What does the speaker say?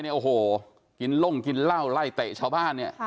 แบบกินโล่งกินเล้าไล่เตะชาวบ้าน